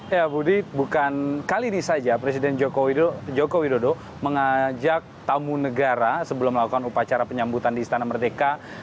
ya budi bukan kali ini saja presiden joko widodo mengajak tamu negara sebelum melakukan upacara penyambutan di istana merdeka